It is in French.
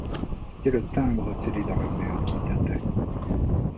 C’était le timbre scellé dans le mur qui tintait.